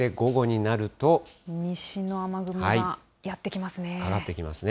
西の雨雲がやって来ますね。